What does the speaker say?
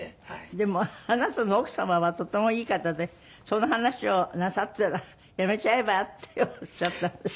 でもあなたの奥様はとてもいい方でその話をなさったら「辞めちゃえば」っておっしゃったんですって？